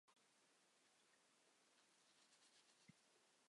帕基人的主要职业是农业。